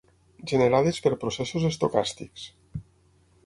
Generades per processos estocàstics.